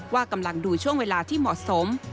ว่ากำลังดูช่วงเวลาที่เหมาะสม